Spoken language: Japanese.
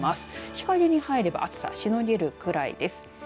日陰に入れば暑さ、しのげるくらいです。